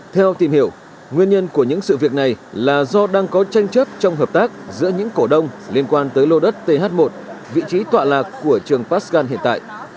theo tìm hiểu nguyên nhân của những sự việc này là do đang có tranh chấp trong hợp tác giữa những cổ đông liên quan tới lô đất th một vị trí tọa lạc của trường pars gan hiện tại